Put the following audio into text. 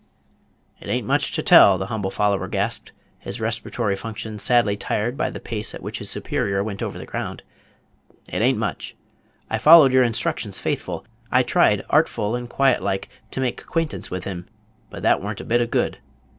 "It a'n't much to tell," the humble follower gasped, his respiratory functions sadly tried by the pace at which his superior went over the ground. "It a'n't much. I followed your instructions faithful. I tried, artful and quiet like, to make acquaintance with him, but that warn't a bit of good.